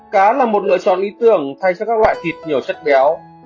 cá là một lựa chọn lý tưởng thay cho các loại thịt nhiều chất béo